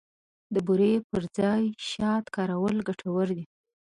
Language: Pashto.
د بوري پر ځای شات کارول ګټور دي.